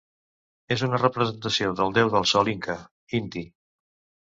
És una representació del déu del sol Inca, Inti.